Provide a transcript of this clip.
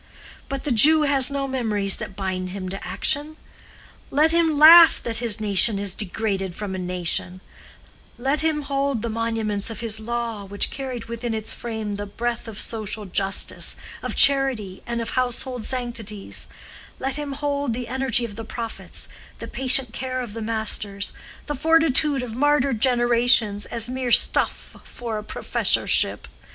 But the Jew has no memories that bind him to action; let him laugh that his nation is degraded from a nation; let him hold the monuments of his law which carried within its frame the breath of social justice, of charity, and of household sanctities—let him hold the energy of the prophets, the patient care of the Masters, the fortitude of martyred generations, as mere stuff for a professorship.